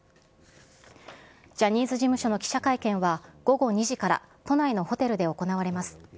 ジャニーズ事務所の記者会見は、午後２時から、都内のホテルで行われます。